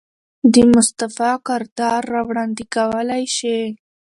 د مصطفى کردار را وړاندې کولے شي.